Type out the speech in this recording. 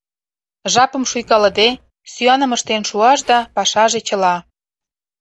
Жапым шуйкалыде, сӱаным ыштен шуаш да, пашаже чыла!